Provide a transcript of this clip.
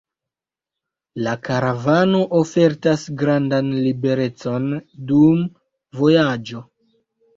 La karavano ofertas grandan liberecon dum vojaĝo.